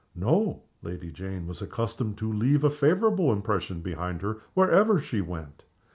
No! Lady Jane was accustomed to leave a favorable impression behind her wherever she went.